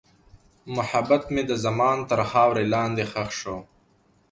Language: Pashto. محبت مې د زمان تر خاورې لاندې ښخ شو.